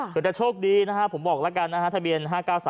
เผื่อจะโชคดีนะฮะผมบอกละกันนะฮะทะเบียน๕๙๓๙